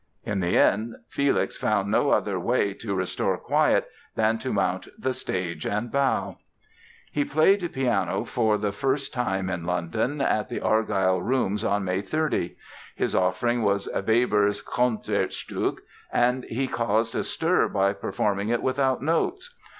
In the end Felix found no other way to restore quiet than to mount the stage and bow. He played piano for the first time in London at the Argyll Rooms on May 30. His offering was Weber's "Concertstück" and he caused a stir by performing it without notes.